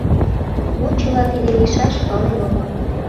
Мо чыла тиде лийшаш, пален омыл.